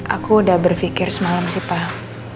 aku udah berpikir semalam sih pak